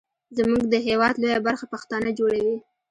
زمونږ د هیواد لویه برخه پښتانه جوړوي.